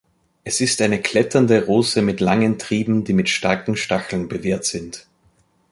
Es ist eine kletternde Rose mit langen Trieben, die mit starken Stacheln bewehrt sind.